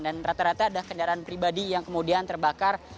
dan rata rata ada kendaraan pribadi yang kemudian terbakar